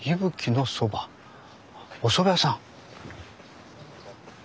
おそば屋さん。